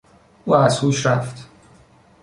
او از هوش رفت.